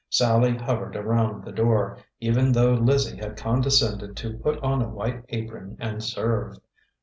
Sallie hovered around the door, even though Lizzie had condescended to put on a white apron and serve.